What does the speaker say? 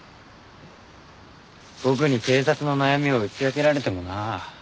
僕に警察の悩みを打ち明けられてもなあ。